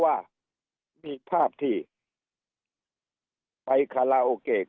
ก็ว่ามีภาพที่ไปคาราโอเกกับสุดต้อง